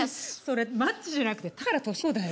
それマッチじゃなくて田原俊彦だよ。